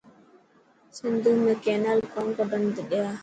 سنڌو ۾ ڪينال ڪون ڪڍڻ ڏيا.